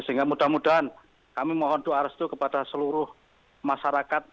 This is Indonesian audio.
sehingga mudah mudahan kami mohon doa restu kepada seluruh masyarakat